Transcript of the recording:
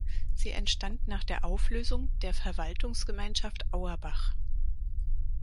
Sie entstand nach der Auflösung der Verwaltungsgemeinschaft Auerbach.